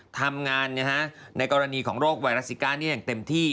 ทำงานในกรณีของโรคไวรัสซิก้านี้อย่างเต็มที่